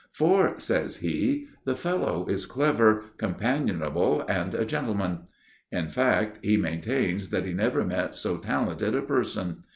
"For," says he, "the fellow is clever, companionable, and a gentleman;" in fact, he maintains that he never met so talented a person.